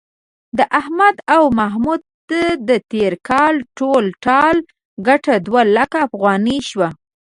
د احمد او محمود د تېر کال ټول ټال گټه دوه لکه افغانۍ شوه.